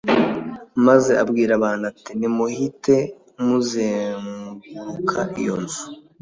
maze abwira abantu ati nimuhite muzenguruka iyo nzu